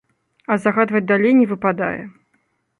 А загадваць далей не выпадае.